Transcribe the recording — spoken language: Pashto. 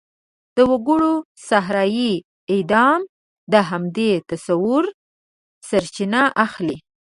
د وګړو صحرايي اعدام د همدې تصوره سرچینه اخلي.